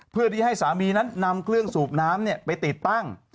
เพื่อที่ให้สามีนั้นนำเครื่องสูบน้ำไปติดตั้ง